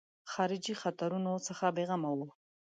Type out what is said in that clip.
خارجي خطرونو څخه بېغمه وو.